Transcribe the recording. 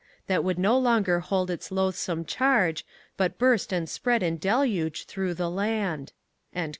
That would no longer hold its loathsome charge, But burst and spread in deluge through the land.